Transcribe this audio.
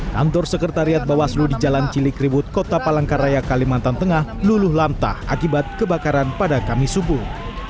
kantor sekretariat bawaslu di jalan cilikriwut kota palangkaraya kalimantan tengah luluh lamtah akibat kebakaran pada kamis subuh